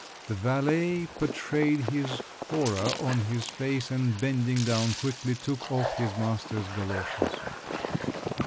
The valet portrayed his horror on his face, and bending down quickly, took off his master's goloshes.